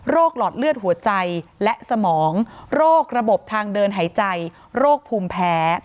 หลอดเลือดหัวใจและสมองโรคระบบทางเดินหายใจโรคภูมิแพ้